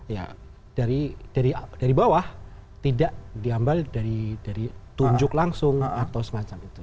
ya dari bawah tidak diambil dari tunjuk langsung atau semacam itu